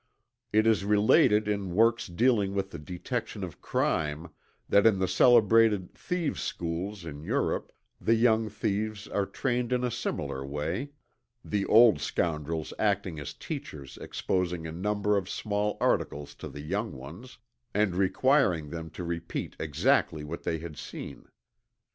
It is related in works dealing with the detection of crime, that in the celebrated "thieves schools" in Europe, the young thieves are trained in a similar way, the old scoundrels acting as teachers exposing a number of small articles to the young ones, and requiring them to repeat exactly what they had seen.